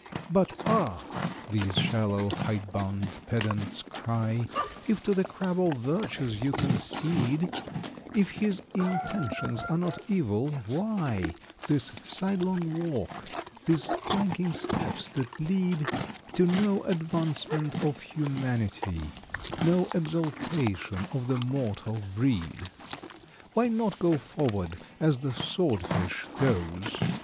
= "But, ah!" these shallow hide bound pedants cry, `"If to the Crab all virtues you concede, If his intentions are not evil, why `This sidelong walk, [Illustration: 047] `These flanking steps that lead To no advancement of Humanity, `No exaltation of the mortal breed?= "Why not go forward as the Sword fish goes?